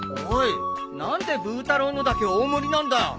おい何でブー太郎のだけ大盛りなんだ。